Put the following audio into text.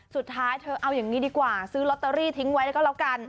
สุดท้ายเธอเอาอย่างนี้ดีกว่าซื้อลอตเตอรี่ทิ้งไว้ก็แล้วกัน